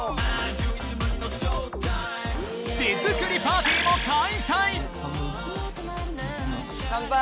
手作りパーティーも開催カンパイ！